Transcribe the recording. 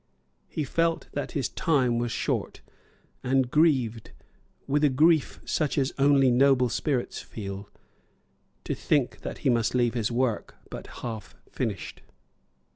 He felt that his time was short, and grieved, with a grief such as only noble spirits feel, to think that he must leave his work but half finished.